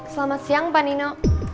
selamat siang pak nino